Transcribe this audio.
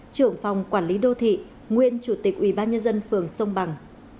trưởng phòng quản lý đô thị nguyên chủ tịch ủy ban nhân dân phường sông bằng